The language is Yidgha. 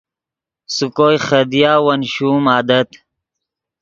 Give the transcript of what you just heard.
سے کوئے خدیا ون شوم عادت